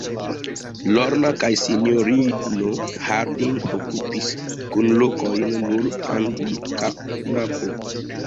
Lorna kaj sinjorino Harding okupis kune lokojn sur angulkanapo.